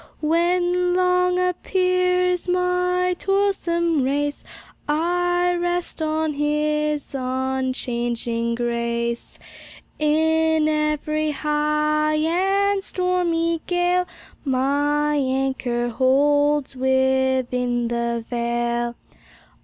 When long appears my toilsome race, I rest on His unchanging grace; In every high and stormy gale, My anchor holds within the veil.